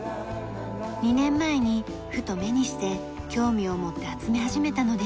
２年前にふと目にして興味を持って集め始めたのです。